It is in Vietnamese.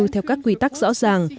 theo các quy tắc rõ ràng